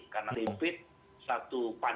karena covid satu pandang